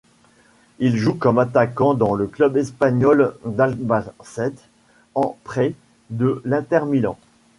Il joue comme attaquant dans le club espagnol d'Albacete, en prêt de l'Inter Milan.